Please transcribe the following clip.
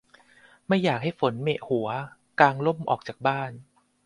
ไม่อยากให้ฝนแหมะหัว กางร่มออกจากบ้าน